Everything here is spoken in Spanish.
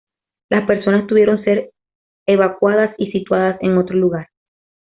Las personas tuvieron ser evacuadas y situadas en otro lugar.